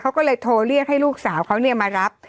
เขาก็เลยโทรเรียกให้ลูกสาวเขามารับ